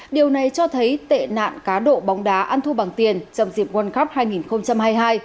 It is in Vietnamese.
điều này cho thấy tệ nạn cá độ bóng đá ăn thua bằng tiền trong dịp world cup hai nghìn hai mươi hai